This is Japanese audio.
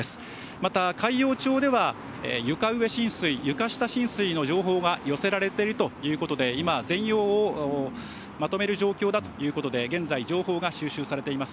また、海陽町では床上浸水、床下浸水の情報が寄せられているということで、今、全容をまとめる状況だということで、現在、情報が収集されています。